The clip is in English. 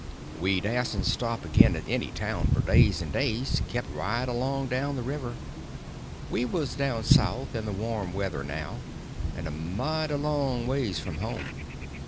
We dasn't stop again at any town for days and days; kept right along down the river. We was down south in the warm weather now, and a mighty long ways from home.